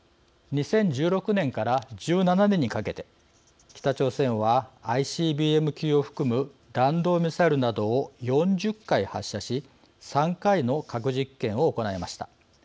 ２０１６年から１７年にかけて北朝鮮はＩＣＢＭ級を含む弾道ミサイルなどを４０回発射し３回の核実験を行いました。